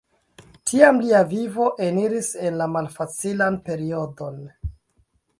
Tiam lia vivo eniris en la malfacilan periodon.